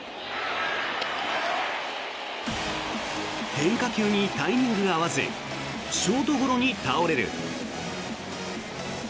変化球にタイミングが合わずショートゴロに倒れる。